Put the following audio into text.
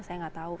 saya tidak tahu